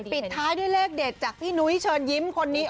ปิดท้ายด้วยเลขเด็ดจากพี่นุ้ยเชิญยิ้มคนนี้